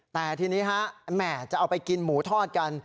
แต่ทีนี้ฮะแหมจะเอาไปกินหมูทอดกัน